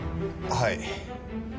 はい。